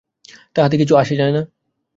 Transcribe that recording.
তাহাতে কিছু আসে যায় না।